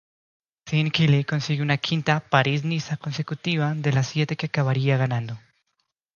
Sean Kelly consigue un quinta París-Niza consecutiva de las siete que acabaría ganando.